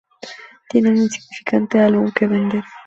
Tiene un insignificante álbum que vender.